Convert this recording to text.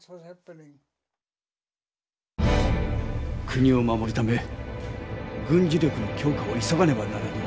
国を守るため軍事力の強化を急がねばならぬ。